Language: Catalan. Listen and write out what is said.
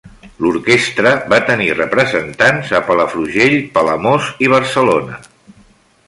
L’orquestra va tenir representants a Palafrugell, Palamós i Barcelona.